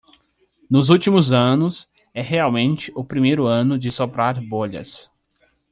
Nos últimos anos, é realmente o primeiro ano de soprar bolhas.